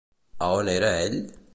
A on era ell?